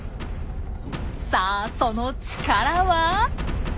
さあその力は？